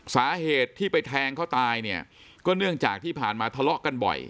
สาเหตุที่ไปแทงเขาตายเนี่ยก็เนื่องจากที่ผ่านมาทะเลาะกันบ่อย